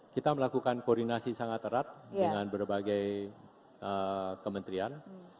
kita melakukan koordinasi sangat erat dengan berbagai kementerian